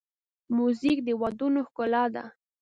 موزیک د ودونو ښکلا ده.